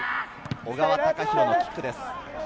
小川高廣のキックです。